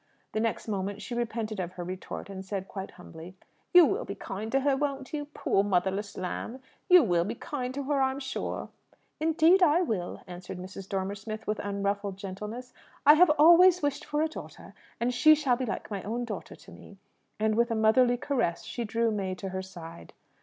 The next moment she repented of her retort, and said quite humbly, "You will be kind to her, won't you? Poor motherless lamb! You will be kind to her, I'm sure!" "Indeed I will," answered Mrs. Dormer Smith, with unruffled gentleness. "I have always wished for a daughter, and she shall be like my own daughter to me." And, with a motherly caress, she drew May to her side.